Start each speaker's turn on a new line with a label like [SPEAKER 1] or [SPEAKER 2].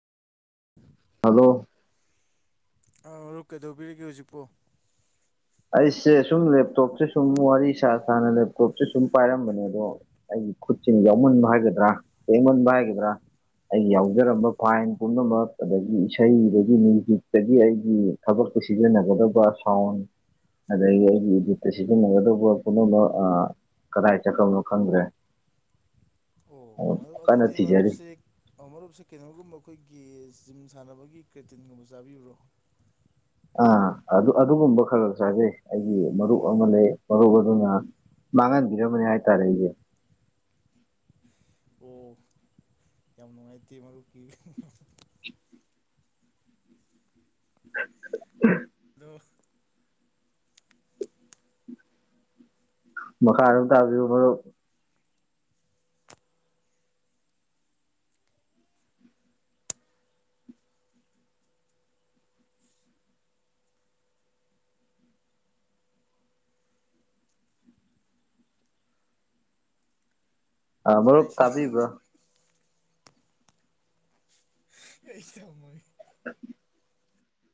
[SPEAKER 1] hello
[SPEAKER 2] ꯑꯥ ꯃꯔꯨꯞ ꯀꯩꯗꯧꯕꯤꯔꯤꯒꯦ ꯍꯧꯖꯤꯛꯄꯣ
[SPEAKER 1] ꯑꯩꯁꯦ ꯁꯨꯝ ꯂꯦꯞꯇꯣꯞꯁꯦ ꯁꯨꯝ ꯋꯥꯔꯤ ꯁꯥ ꯁꯥꯅ ꯂꯦꯞꯇꯣꯞꯁꯦ ꯁꯨꯝ ꯄꯥꯏꯔꯝꯕꯅꯦ ꯑꯗꯣ ꯑꯩ ꯈꯨꯠꯁꯤ ꯌꯥꯎꯃꯟꯕ ꯍꯥꯏꯒꯗ꯭ꯔꯥ ꯂꯦꯡꯃꯟꯕ ꯍꯥꯏꯒꯗ꯭ꯔꯥ ꯑꯩꯒꯤ ꯌꯥꯎꯖꯔꯝꯕ ꯐꯥꯏꯟ ꯄꯨꯝꯅꯃꯛ ꯑꯗꯒꯤ ꯏꯁꯩꯗꯒꯤ ꯃ꯭ꯌꯨꯖꯤꯛꯇꯒꯤ ꯑꯩꯒꯤ ꯊꯕꯛ ꯁꯤꯖꯟꯅꯒꯗꯕ ꯁꯥꯎꯟ ꯑꯗꯒꯤ ꯑꯩꯒꯤ ꯏꯗꯤꯠꯇ ꯁꯤꯖꯤꯟꯅꯒꯗꯕ ꯄꯨꯝꯅꯃꯛ ꯑꯥ ꯀꯗꯥꯏ ꯆꯈ꯭ꯔꯕꯅꯣ ꯈꯪꯗ꯭ꯔꯦ
[SPEAKER 2] ꯑꯣ ꯃꯔꯨꯞ
[SPEAKER 1] ꯀꯟꯅ
[SPEAKER 2] ꯑꯗꯨꯗꯤ
[SPEAKER 1] ꯊꯤꯖꯔꯤ
[SPEAKER 2] ꯃꯔꯨꯞꯁꯤ ꯃꯔꯨꯞꯁꯦ ꯀꯩꯅꯣꯒꯨꯝꯕ ꯑꯩꯈꯣꯏ ꯒꯤ ꯖꯤꯝ ꯁꯥꯟꯅꯕꯒꯤ ꯀ꯭ꯔꯦꯇꯤꯟꯒꯨꯝꯕ ꯆꯥꯕꯤꯕ꯭ꯔꯣ
[SPEAKER 1] ꯑꯥ ꯑꯗꯨꯒꯨꯝꯕ ꯈꯔꯒꯛ ꯆꯥꯖꯩ ꯑꯩꯒꯤ ꯃꯔꯨꯞ ꯑꯃ ꯂꯩ ꯃꯔꯨꯞ ꯑꯗꯨꯅ ꯃꯥꯡꯍꯟꯕꯤꯔꯝꯕꯅꯤ ꯍꯥꯏꯇꯔꯦ ꯑꯩꯁꯦ
[SPEAKER 2] [inaudible] ꯑꯣ ꯌꯥꯝ ꯅꯨꯡꯉꯥꯏꯇꯦ ꯃꯔꯨꯞꯀꯤ
[SPEAKER 1] [unintelligible]
[SPEAKER 2] ꯍꯜꯂꯣ
[SPEAKER 1] ꯃꯈꯥ ꯑꯗꯨꯝ ꯇꯥꯕꯤꯌꯨ ꯃꯔꯨꯞ ꯑꯥ
[SPEAKER 2] ꯆꯥꯛ
[SPEAKER 1] ꯃꯔꯨꯞ
[SPEAKER 2] ꯏꯁꯤꯡ
[SPEAKER 1] ꯇꯥꯕꯤꯕ꯭ꯔꯥ
[SPEAKER 2] [unintelligible]
[SPEAKER 1] [inaudible]